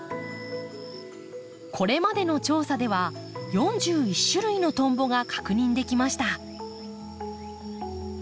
これまでの調査では４１種類のトンボが確認できました。